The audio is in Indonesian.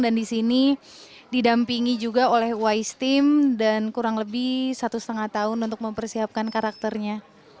dan di sini didampingi juga oleh wise team dan kurang lebih satu lima tahun untuk mempersiapkan karakternya